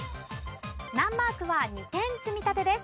難マークは２点積み立てです。